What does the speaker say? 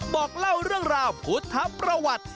บอกเล่าเรื่องราวพุทธประวัติ